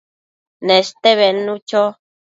Neste bednu cho